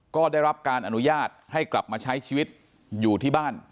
ก็ได้รับการอนุญาตให้กลับมาใช้ชีวิตอยู่ที่บ้าน